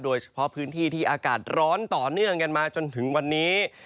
โดยเฉพาะพื้นที่ที่อากาศร้อนต่อเนื่องกันมาจนถึงวันนี้